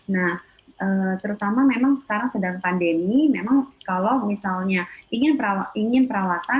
nah terutama memang sekarang sedang pandemi memang kalau misalnya ingin perawatan